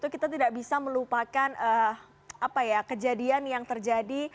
kita tidak bisa melupakan kejadian yang terjadi